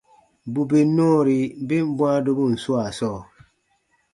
Bù bè nɔɔri ben bwãa dobun swaa sɔɔ,